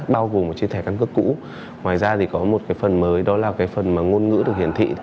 các thông tin được ghi trên thẻ căn cước cũ ngoài ra thì có một phần mới đó là phần ngôn ngữ được hiển thị